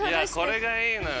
これがいいのよ。